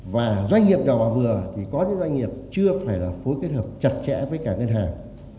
và doanh nghiệp nhỏ và vừa thì có những doanh nghiệp chưa phải là phối kết hợp chặt chẽ với cả ngân hàng